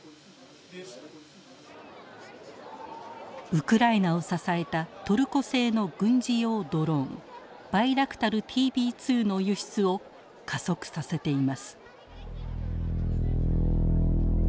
ウクライナを支えたトルコ製の軍事用ドローンバイラクタルＴＢ２の輸出を加速させています。